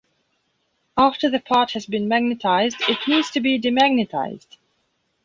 After the part has been magnetized it needs to be demagnetized.